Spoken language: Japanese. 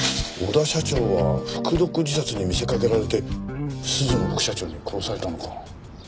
小田社長は服毒自殺に見せかけられて涼乃副社長に殺されたのか？